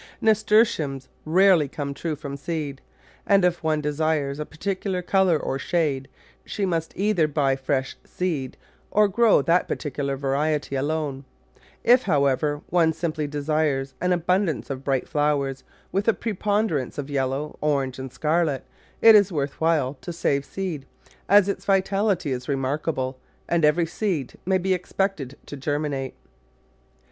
Nasturtiums rarely come true from seed, and if one desires a particular colour or shade, she must either buy fresh seed or grow that particular variety alone. If, however, one simply desires an abundance of bright flowers with a preponderance of yellow, orange and scarlet, it is worth while to save seed, as its vitality is remarkable and every seed may be expected to germi nate.